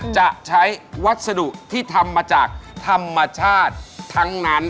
จะใช้วัสดุที่ทำมาจากธรรมชาติทั้งนั้น